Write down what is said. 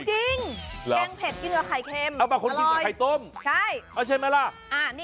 จริงแกงเพ็ดกินกับไข่เข็ม